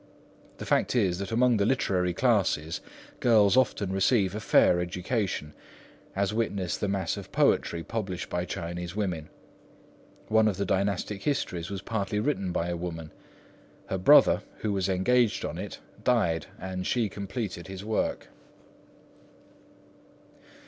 The fact is that among the literary classes girls often receive a fair education, as witness the mass of poetry published by Chinese women. One of the Dynastic Histories was partly written by a woman. Her brother, who was engaged on it, died, and she completed his work.